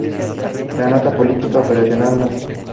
La Nota Política Operacional No.